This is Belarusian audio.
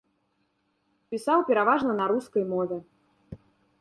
Пісаў пераважна на рускай мове.